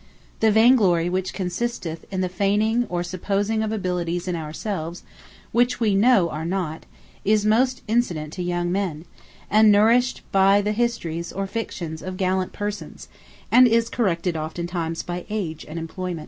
The Vaine glory which consisteth in the feigning or supposing of abilities in ourselves, which we know are not, is most incident to young men, and nourished by the Histories or Fictions of Gallant Persons; and is corrected often times by Age, and Employment.